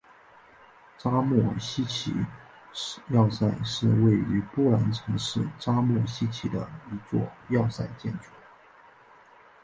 扎莫希奇要塞是位于波兰城市扎莫希奇的一座要塞建筑。